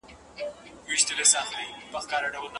په مسجد او په مندر کې را ايثار دی